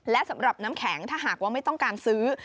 และสำหรับน้ำแข็งถ้าหากว่าไม่ต้องการซื้อ